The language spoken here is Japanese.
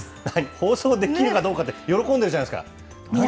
放送できるかどうかって、喜んでるじゃないですか、何？